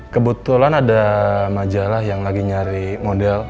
kebetulan ada majalah yang lagi nyari model